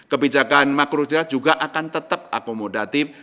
kebijakan makroda juga akan tetap akomodatif